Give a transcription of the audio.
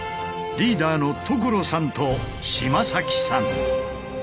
リーダーの所さんと島崎さん。